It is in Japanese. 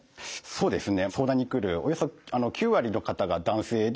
そうですね。